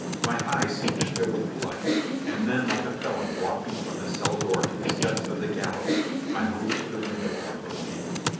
My eyes seemed to fill with blood; and then like a felon walking from the cell door to the steps of the gallows, I moved to the window and looked in.